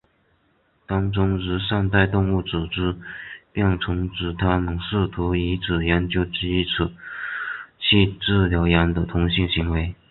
当中如善待动物组织便曾指它们试图以此研究基础去治疗羊的同性行为。